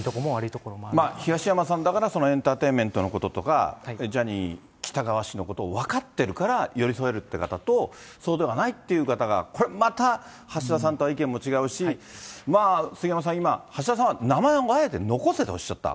東山さんだから、エンターテインメントのこととかジャニー喜多川氏のことを分かってるから、寄り添えるという方とそうではないっていう方が、これ、また橋田さんとは意見も違うし、杉山さん、今、橋田さんは名前をあえて残せとおっしゃった。